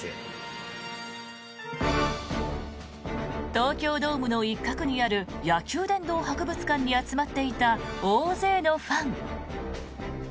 東京ドームの一角にある野球殿堂博物館に集まっていた大勢のファン。